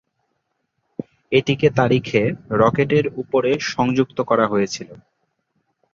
এটিকে তারিখে রকেটের উপরে সংযুক্ত করা হয়েছিল।